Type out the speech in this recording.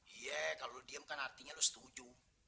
iya kalau lo diem kan artinya lo setuju